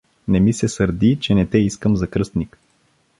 Не ми се сърди, че не те искам за кръстник.